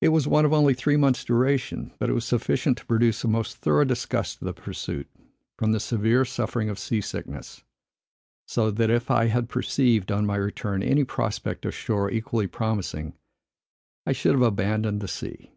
It was one of only three months' duration; but it was sufficient to produce a most thorough disgust of the pursuit, from the severe suffering of sea sickness; so that, if I had perceived, on my return, any prospect on shore equally promising, I should have abandoned the sea.